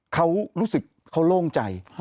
เขารู้สึกเขาโล่งใจ